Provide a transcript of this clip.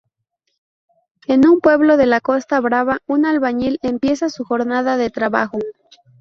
En un pueblo de la Costa Brava, un albañil empieza su jornada de trabajo.